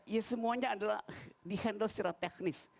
ya semuanya adalah di handle secara teknis